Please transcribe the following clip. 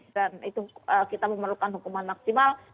dan itu kita memerlukan hukuman maksimal